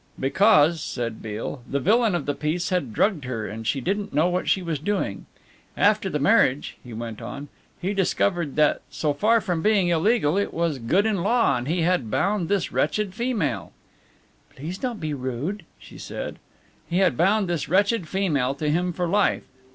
"Because," said Beale, "the villain of the piece had drugged her and she didn't know what she was doing. After the marriage," he went on, "he discovered that so far from being illegal it was good in law and he had bound this wretched female." "Please don't be rude," she said. "He had bound this wretched female to him for life.